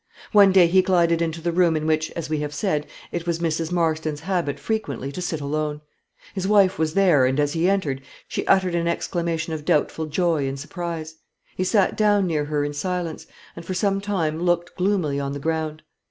One day he glided into the room in which, as we have said, it was Mrs. Marston's habit frequently to sit alone. His wife was there, and, as he entered, she uttered an exclamation of doubtful joy and surprise. He sate down near her in silence, and for some time looked gloomily on the ground.